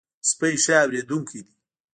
سپي ښه اورېدونکي دي.